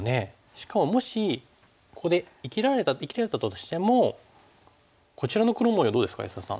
しかももしここで生きれたとしてもこちらの黒模様どうですか安田さん。